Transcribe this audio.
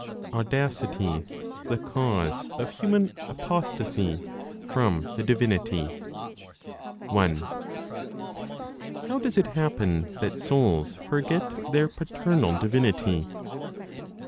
AUDACITY THE CAUSE OF HUMAN APOSTASY FROM THE DIVINITY. 1. How does it happen that souls forget their paternal divinity?